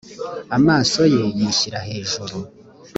amaso ye yishyira hejuru